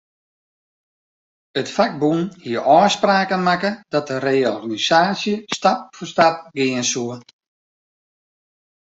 It fakbûn hie ôfspraken makke dat de reorganisaasje stap foar stap gean soe.